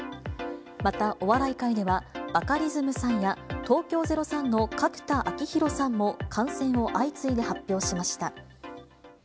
また、お笑い界ではバカリズムさんや、東京０３の角田晃広さんも感染を相次いで発表しました。